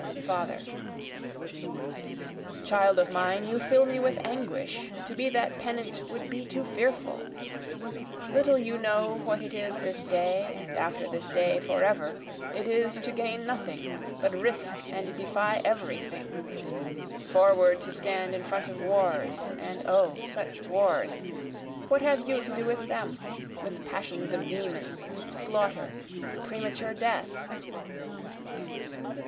Father: Child of mine you fill me with anguish, To be that pennant would be too fearful, Little you know what it is this day, and after this day, forever, It is to gain nothing, but risk and defy every thing, Forward to stand in front of wars and O, such wars! what have you to do with them? With passions of demons, slaughter, premature death?